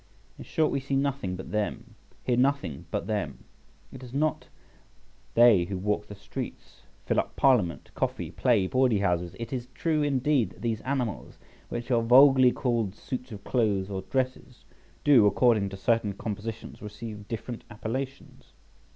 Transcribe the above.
In short, we see nothing but them, hear nothing but them. Is it not they who walk the streets, fill up Parliament , coffee , play , bawdy houses. It is true, indeed, that these animals, which are vulgarly called suits of clothes or dresses, do according to certain compositions receive different appellations.